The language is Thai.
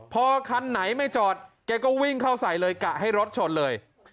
พอคันไหนไม่จอดแกก็วิ่งเข้าใส่เลยกะให้รถชนเลย